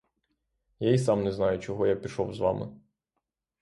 Я й сам не знаю, чого я пішов з вами.